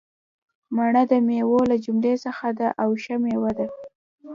مڼه دمیوو له جملي څخه ده او ښه میوه ده